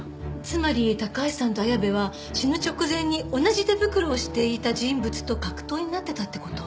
つまり高橋さんと綾部は死ぬ直前に同じ手袋をしていた人物と格闘になってたって事？